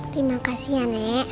terima kasih ya nek